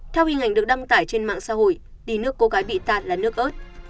theo hình ảnh được đăng tải trên mạng xã hội ly nước cô gái bị tạt là nước ớt